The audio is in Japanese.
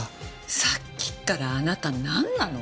さっきからあなたなんなの！？